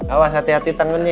awas hati hati tangan nih ya